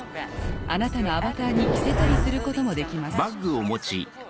あなたのアバターに着せたりすることもできます。